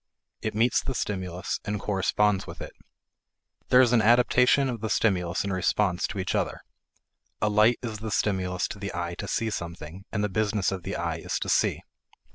It meets the stimulus, and corresponds with it. There is an adaptation of the stimulus and response to each other. A light is the stimulus to the eye to see something, and the business of the eye is to see.